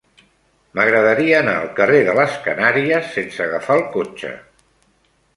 M'agradaria anar al carrer de les Canàries sense agafar el cotxe.